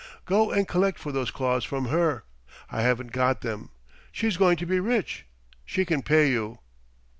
Go and collect for those claws from her. I haven't got them. She's going to be rich; she can pay you!"